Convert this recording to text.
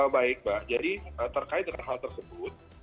baik mbak jadi terkait dengan hal tersebut